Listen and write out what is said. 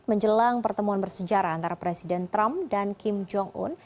menjelang pertemuan bersejarah antara presiden trump dan kim jong un